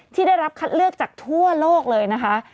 ที่ได้รับคัดเลือกจากทั่วโลกเลยนะคะ